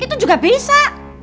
itu juga bisa